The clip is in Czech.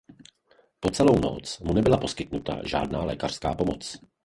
Po celou noc mu nebyla poskytnuta žádná lékařská pomoc.